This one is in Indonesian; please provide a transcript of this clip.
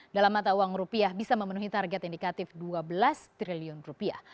dalam mata uang rupiah bisa memenuhi target indikatif dua belas triliun rupiah